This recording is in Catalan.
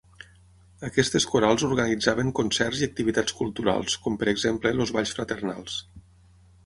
Aquestes corals organitzaven concerts i activitats culturals, com per exemple, els balls fraternals.